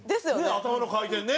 頭の回転ね。